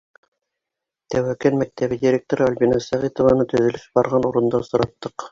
Тәүәкән мәктәбе директоры Альбина Сәғитованы төҙөлөш барған урында осраттыҡ.